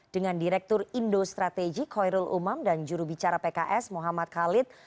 dengan direktur indo strategik koirul umam dan juru bicara pks muhammad khalid